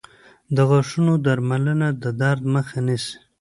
• د غاښونو درملنه د درد مخه نیسي.